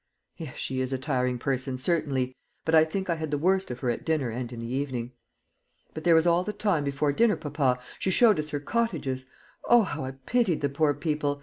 "Yes, she is a tiring person, certainly; but I think I had the worst of her at dinner and in the evening." "But there was all the time before dinner, papa. She showed us her cottages O, how I pitied the poor people!